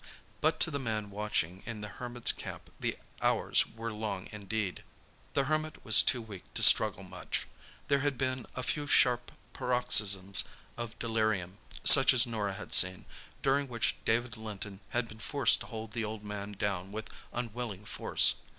But to the man watching in the Hermit's camp the hours were long indeed. The Hermit was too weak to struggle much. There had been a few sharp paroxysms of delirium, such as Norah had seen, during which David Linton had been forced to hold the old man down with unwilling force.